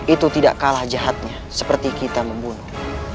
itu tidak kalah jahatnya seperti kita membunuh